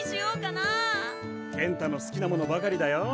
健太の好きなものばかりだよ。